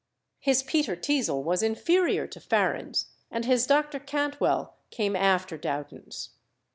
His Peter Teazle was inferior to Farren's, and his Dr. Cantwell came after Dowton's.